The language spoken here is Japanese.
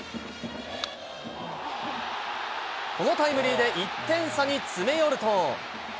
このタイムリーで１点差に詰め寄ると。